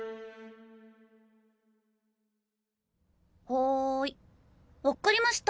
はいわっかりました。